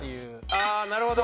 あなるほど。